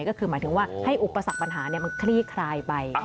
ก็คือหมายถึงว่าให้อุปสรรคปัญหามันคลี่คลายไป